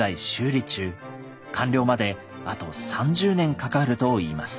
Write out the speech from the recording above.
完了まであと３０年かかるといいます。